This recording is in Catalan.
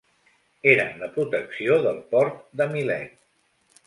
Eren la protecció del port de Milet.